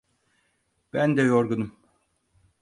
Ben de yorgunum.